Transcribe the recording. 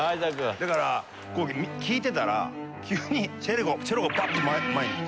だから聴いてたら急にチェロがバッと前に来て。